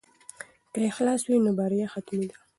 که اخلاص وي نو بریا حتمي ده.